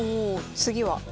次は？